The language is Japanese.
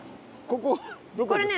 ここどこですか？